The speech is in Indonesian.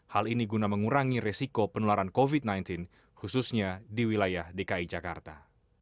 hal ini guna mengurangi resiko penularan covid sembilan belas khususnya di wilayah dki jakarta